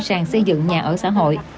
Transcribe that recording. sàng xây dựng nhà ở xã hội